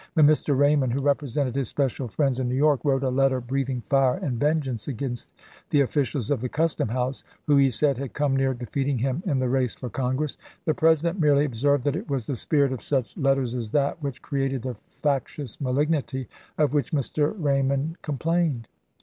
When Mr. Raymond, who represented his special friends in New York, wrote a letter breathing fire and ven geance against the officials of the custom house, who, he said, had come near defeating him in the race for Congress, the President merely observed that it was " the spirit of such letters as that which created the factious malignity of which Mr. Ray mond complained."